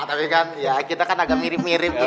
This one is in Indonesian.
tapi kan ya kita kan agak mirip mirip tuh